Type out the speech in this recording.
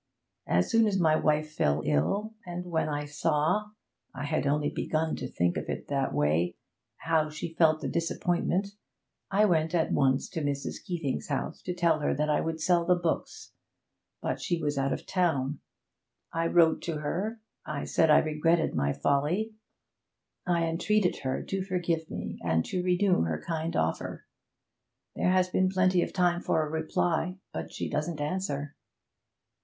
As soon as my wife fell ill, and when I saw I had only begun to think of it in that way how she felt the disappointment, I went at once to Mrs. Keeting's house to tell her that I would sell the books. But she was out of town. I wrote to her I said I regretted my folly I entreated her to forgive me and to renew her kind offer. There has been plenty of time for a reply, but she doesn't answer.'